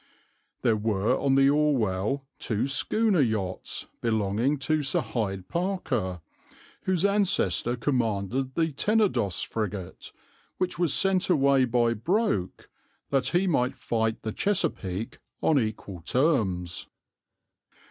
There were on the Orwell two schooner yachts belonging to Sir Hyde Parker, whose ancestor commanded the Tenedos frigate which was sent away by Broke that he might fight the Chesapeake on equal terms.